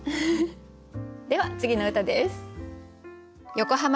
では次の歌です。